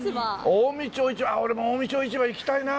近江町市場ああ俺も近江町市場行きたいな。